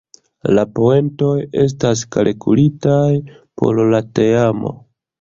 La poentoj estas kalkulitaj por la teamo.